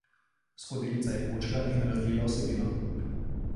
Skodelica je počila in razlila vsebino.